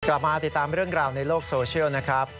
กลับมาติดตามเรื่องราวในโลกโซเชียลนะครับ